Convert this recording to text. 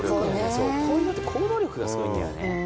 こういうのって行動力がすごいんだよね。